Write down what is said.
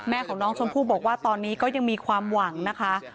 ของน้องชมพู่บอกว่าตอนนี้ก็ยังมีความหวังนะคะ